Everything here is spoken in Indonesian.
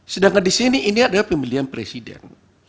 sedangkan di sini ini adalah pemilihan presiden